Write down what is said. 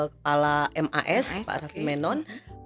kepala mas pak rafi menon